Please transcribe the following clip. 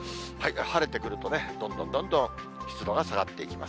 晴れてくるとね、どんどんどんどん湿度が下がっていきます。